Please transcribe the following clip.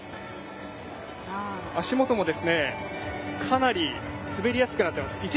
足元もかなり滑りやすくなってます。